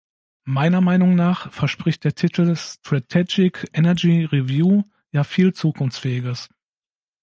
Meiner Meinung nach verspricht der Titel "Strategic Energy Review" ja viel Zukunftsfähiges.